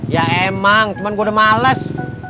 ya emang cuman gue udah males